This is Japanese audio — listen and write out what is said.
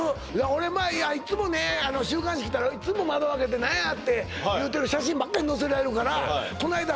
俺前いっつもね週刊誌来たらいつも窓開けて「何や？」って言うてる写真ばっかり載せられるからこないだ